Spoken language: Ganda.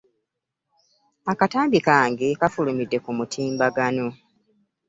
Akatambi kange kafulumidde ku mutimbagano